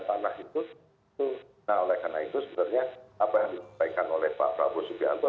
tanah itu nah oleh karena itu sebenarnya apa yang disampaikan oleh pak prabowo subianto